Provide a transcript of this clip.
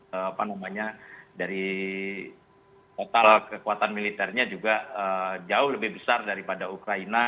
apa namanya dari total kekuatan militernya juga jauh lebih besar daripada ukraina